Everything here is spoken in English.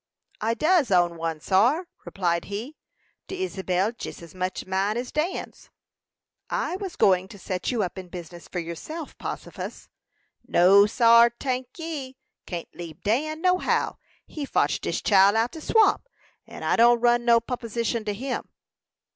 "I does own one, sar," replied he. "De Isabel jus as much mine as Dan's." "I was going to set you up in business for yourself, Possifus." "No, sar, tank ye; can't leabe Dan, no how; he fotched dis chile out of de swamp, and I don't run no popposition to him."